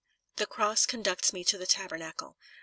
The cross conducts me to the tabernacle.